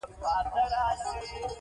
سیند اوبه لري